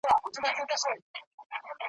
چي حملې نه له پردیو وي نه خپلو `